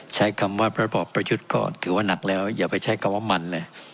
ใช้คำว่าระบอบประยุทธ์ก่อนถือว่านักแล้วอย่าไปใช้คำว่ามันเลย